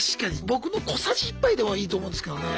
僕の小さじ１杯でもいいと思うんですけどね。